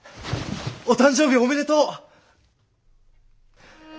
お誕生日おめでとう！